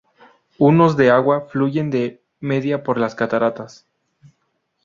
Unos de agua fluyen de media por las cataratas.